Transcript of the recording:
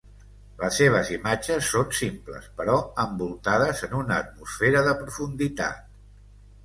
Les seves imatges són simples però envoltades en una atmosfera de profunditat.